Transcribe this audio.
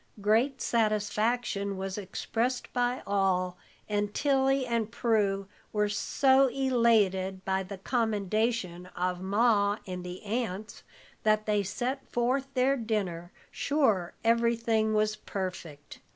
Great satisfaction was expressed by all, and Tilly and Prue were so elated by the commendation of Ma and the aunts, that they set forth their dinner, sure everything was perfect.